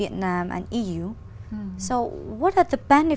trong một vài năm